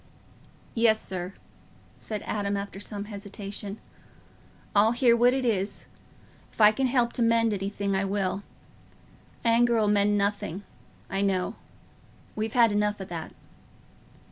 "Yes, sir," said Adam, after some hesitation; "I'll hear what it is. If I can help to mend anything, I will. Anger 'ull mend nothing, I know. We've had enough o' that."